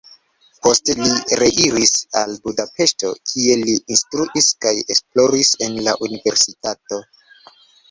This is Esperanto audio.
Poste li reiris al Budapeŝto, kie li instruis kaj esploris en la universitato.